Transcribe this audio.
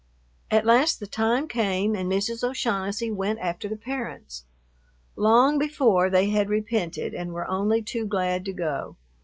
At last the time came and Mrs. O'Shaughnessy went after the parents. Long before, they had repented and were only too glad to go.